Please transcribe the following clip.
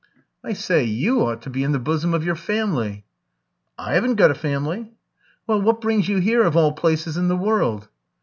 "I say you ought to be in the bosom of your family." "I haven't got a family." "Well, what brings you here of all places in the world?"